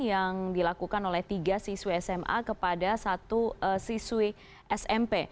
yang dilakukan oleh tiga siswi sma kepada satu siswi smp